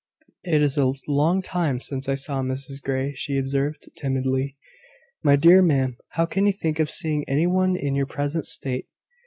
"It is a long time since I saw Mrs Grey," she observed, timidly. "My dear ma'am, how can you think of seeing any one in your present state?"